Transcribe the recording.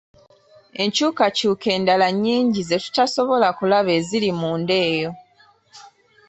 Enkyukakyuka endala nnyingi ze tutasobola kulaba eziri munda eyo.